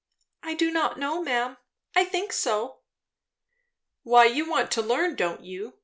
"I do not know, ma'am. I think so." "Why you want to learn, don't you?